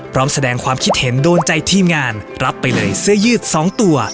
พร้อมแสดงความคิดเห็นโดนใจทีมงานรับไปเลยเสื้อยืด๒ตัว